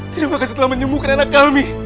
terima kasih telah menyembuhkan anak kami